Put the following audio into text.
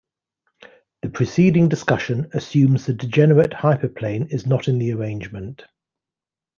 The preceding discussion assumes the degenerate hyperplane is not in the arrangement.